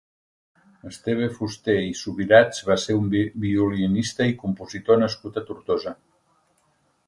Esteve Fusté i Subirats va ser un violinista i compositor nascut a Tortosa.